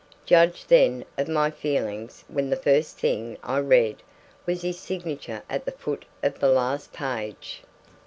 Judge then of my feelings when the first thing I read was his signature at the foot of the last page.